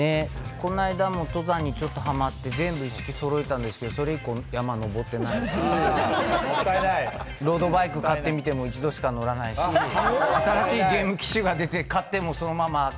この間も登山にちょっとハマって、全部一式揃えたんですけれども、それ以降、山登ってないですし、ロードバイク買ってみても一度しか乗らないし、新しいゲーム機種が出て買ってもそのまま。